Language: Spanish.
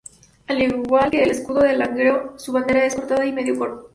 Al igual que el escudo de Langreo, su bandera es cortada y medio partida.